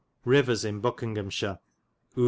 Ryvers in Bokinghamshire. fo.